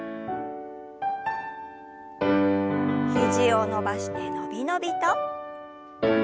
肘を伸ばして伸び伸びと。